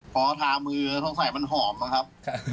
พอทามือทวงใส่มันหอมนะครับ